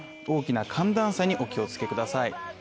大きな寒暖差にお気をつけください。